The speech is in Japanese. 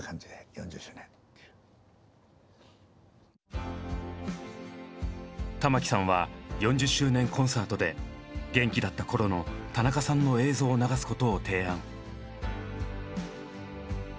ここもまたあの玉置さんは４０周年コンサートで元気だったころの田中さんの映像を流すことを提案。